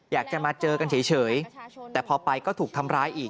อยากจะมาเจอกันเฉยแต่พอไปก็ถูกทำร้ายอีก